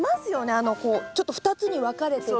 あのこうちょっと２つに分かれてる。